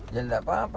ya tidak apa apa